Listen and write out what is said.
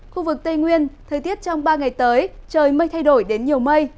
khu vực tây nguyên thời tiết trong ba ngày tới trời mây thay đổi đến nhiều mây